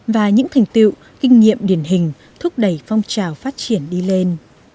và những thành tựu kinh nghiệm điển hình thúc đẩy phong trào phát triển đi lên